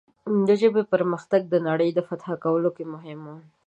د ژبې پرمختګ د نړۍ فتح کولو کې مهم و.